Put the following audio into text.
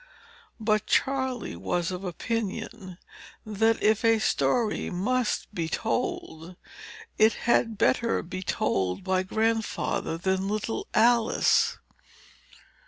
But Charley was of opinion, that if a story must be told, it had better be told by Grandfather, than little Alice.